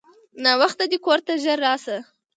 ناوخته دی کورته ژر راسه!